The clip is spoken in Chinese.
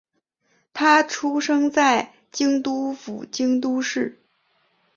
她出生在京都府京都市。